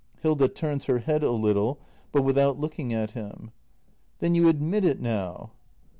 Hilda. [Turns her head a little, but without looking at him.] Then you admit it now